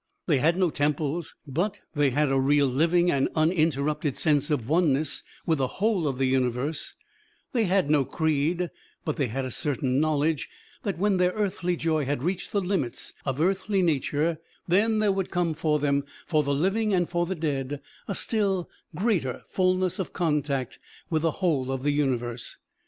They had no temples, but they had a real living and uninterrupted sense of oneness with the whole of the universe; they had no creed, but they had a certain knowledge that when their earthly joy had reached the limits of earthly nature, then there would come for them, for the living and for the dead, a still greater fullness of contact with the whole of the universe.